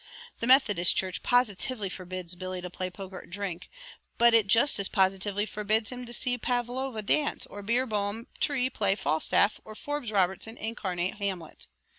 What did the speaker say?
The Methodist Church positively forbids Billy to play poker or drink, but it just as positively forbids him to see Pavlowa dance or Beerbohm Tree play Falstaff or Forbes Robertson incarnate Hamlet.